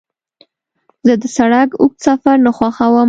زه د سړک اوږد سفر نه خوښوم.